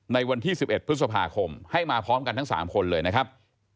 ในวันที่๑๑พฤษภาคมให้มาพร้อมกันทั้ง๓คนเลยนะครับ